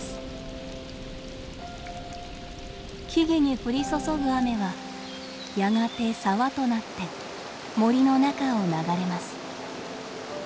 木々に降り注ぐ雨はやがて沢となって森の中を流れます。